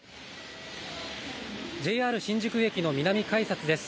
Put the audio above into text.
ＪＲ新宿駅の南改札です。